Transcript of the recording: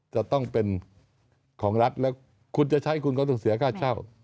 จะต้องเป็นของรัฐแล้วคุณจะใช้คุณก็ต้องเสียค่าเช่า